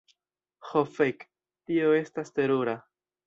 Ho fek. Tio estas terura.